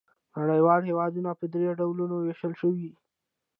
نړیوال هېوادونه په درې ډولونو وېشل شوي.